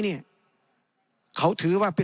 ในทางปฏิบัติมันไม่ได้